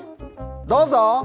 どうぞ。